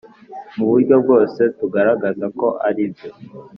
Mu buryo bwose tugaragaza ko aribyo